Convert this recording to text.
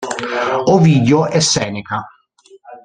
Ovidio e Seneca.